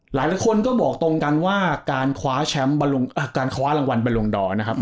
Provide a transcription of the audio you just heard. หลายคนก็บอกตรงกันว่าการคว้าแชมป์การคว้ารางวัลบรรลงดอร์นะครับ